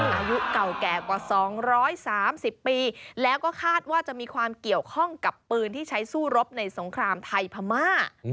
อายุเก่าแก่กว่า๒๓๐ปีแล้วก็คาดว่าจะมีความเกี่ยวข้องกับปืนที่ใช้สู้รบในสงครามไทยพม่า